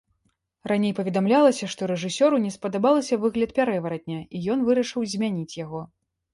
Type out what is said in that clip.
Раней паведамлялася, што рэжысёру не спадабалася выгляд пярэваратня і ён вырашыў змяніць яго.